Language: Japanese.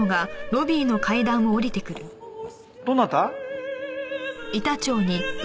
どなた？